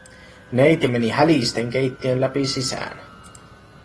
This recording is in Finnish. Neiti meni hälisten keittiön läpi sisään.